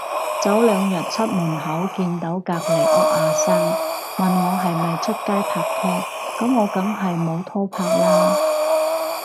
早兩日出門口見到隔離屋阿生，問我係咪出街拍拖，噉我梗係冇拖拍啦